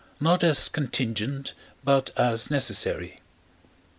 not as contingent, but as necessary.